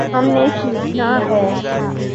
ہم نے سیکھنا ہے۔